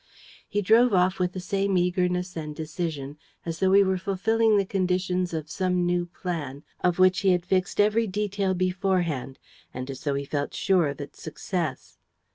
He drove off with the same eagerness and decision as though he were fulfilling the conditions of some new plan of which he had fixed every detail beforehand and as though he felt sure of its success.